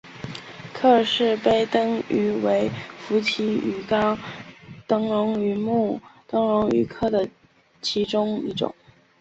克氏背灯鱼为辐鳍鱼纲灯笼鱼目灯笼鱼科的其中一种。